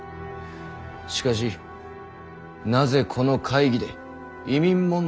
しかしなぜこの会議で移民問題が大事か。